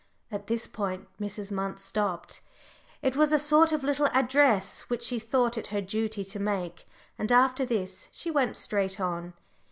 At this point Mrs. Munt stopped. It was a sort of little address which she thought it her duty to make, and after this, she went straight on.